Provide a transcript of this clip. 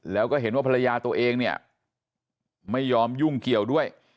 แล้วก็เห็นว่าภรรยาตัวเองเนี่ยไม่ยอมยุ่งเกี่ยวด้วย